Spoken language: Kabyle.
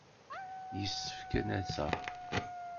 Yessefk ad n-aseɣ.